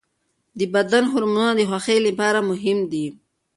د بدن هورمونونه د خوښۍ لپاره مهم دي.